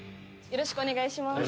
よろしくお願いします